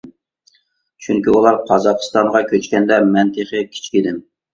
چۈنكى، ئۇلار قازاقىستانغا كۆچكەندە مەن تېخى كىچىك ئىدىم.